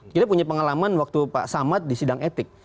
kita punya pengalaman waktu pak samad di sidang etik